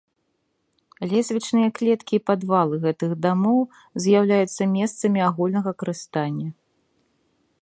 Лесвічныя клеткі і падвалы гэтых дамоў з'яўляюцца месцамі агульнага карыстання.